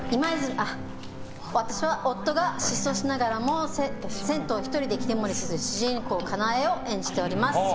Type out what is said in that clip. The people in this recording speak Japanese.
私は夫が失踪しながらも銭湯を１人で切り盛りする主人公かなえを演じております。